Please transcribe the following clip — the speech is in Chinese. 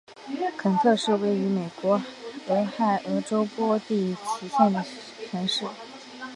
肯特是位于美国俄亥俄州波蒂奇县的城市。